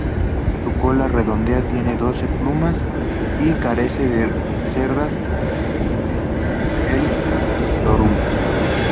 Su cola redondeada tiene doce plumas y carecen de cerdas en el lorum.